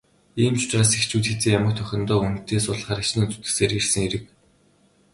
Ийм ч учраас эхчүүд хэзээ ямагт охидоо хүнтэй суулгахаар хичээн зүтгэсээр ирсэн хэрэг.